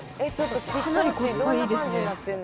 かなりコスパいいですね。